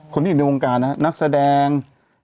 คนที่อยู่ในวงการนะครับนักแสดง